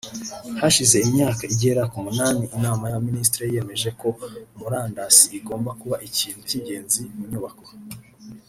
Hashize imyaka igera ku munani inama y’Abaminisitiri yemeje ko murandasi igomba kuba ikintu cy’ingenzi mu nyubako